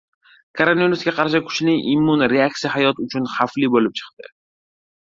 Koronavirusga qarshi kuchli immun reaksiya hayot uchun xavfli bo‘lib chiqdi